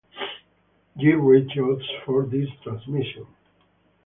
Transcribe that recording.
Gear ratios for this transmission.